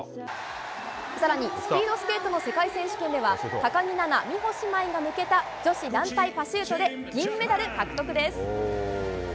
さらにスピードスケートの世界選手権では、高木菜那、美帆姉妹が抜けた女子団体パシュートで銀メダル獲得です。